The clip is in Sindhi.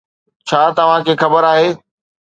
ڇا توهان کي خبر آهي